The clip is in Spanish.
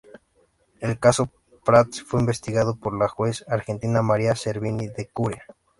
El caso Prats fue investigado por la juez argentina María Servini de Cubría.